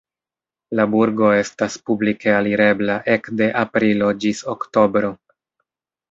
La burgo estas publike alirebla ekde aprilo ĝis oktobro.